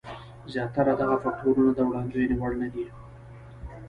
زیاتره دغه فکټورونه د وړاندوینې وړ نه دي.